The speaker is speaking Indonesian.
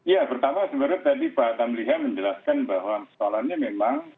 ya pertama sebenarnya tadi pak tamliha menjelaskan bahwa soalannya memang